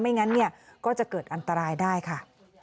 งั้นเนี่ยก็จะเกิดอันตรายได้ค่ะ